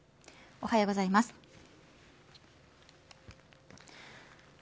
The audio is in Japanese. おはようございます。